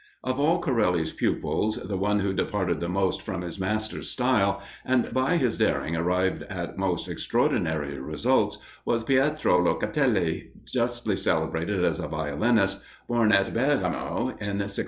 Of all Corelli's pupils, the one who departed the most from his master's style, and by his daring arrived at most extraordinary results, was Pietro Locatelli, justly celebrated as a violinist, born at Bergamo in 1693.